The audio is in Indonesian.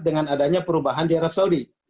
dengan adanya perubahan di arab saudi